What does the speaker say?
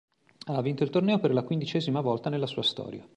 Il ha vinto il torneo per la quindicesima volta nella sua storia.